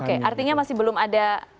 oke artinya masih belum ada